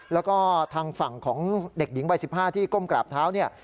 แล้วก็ทางฝั่งของเด็กหญิงวัย๑๕ที่ก้มกราบเท้าเนี่ย